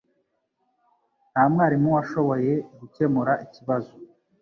Nta mwarimu washoboye gukemura ikibazo.